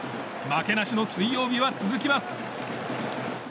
負けなしの水曜日は続きます。